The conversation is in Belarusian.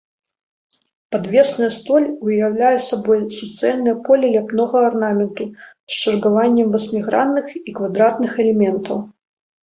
Падвесная столь уяўляе сабой суцэльнае поле ляпнога арнаменту з чаргаваннем васьмігранных і квадратных элементаў.